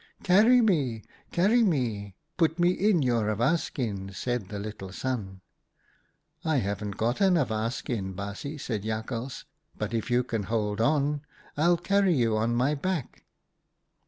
' Carry me, carry me ! Put me in your awa skin,' said the little Sun. "' I haven't got an awa skin, baasje,' said Jakhals, 'but if you can hold on, I'll carry you on my back.'